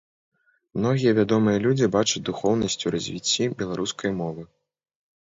Многія вядомыя людзі бачаць духоўнасць у развіцці беларускай мовы.